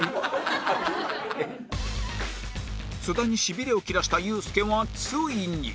津田にしびれを切らしたユースケはついに